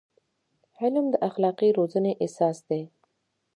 علم د اخلاقي روزنې اساس دی.